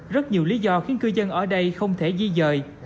rất nhiều lý do khiến cư dân ở đây không thể di dời